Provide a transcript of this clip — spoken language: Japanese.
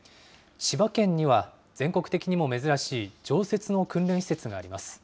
千葉県には、全国的にも珍しい、常設の訓練施設があります。